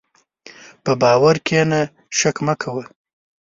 په باور کښېنه، شک مه کوه.